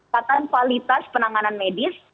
kata kualitas penanganan medis